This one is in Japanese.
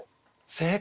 正解。